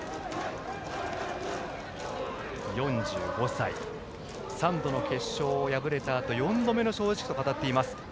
４５歳、３度の決勝を敗れたあと４度目の正直と語っています。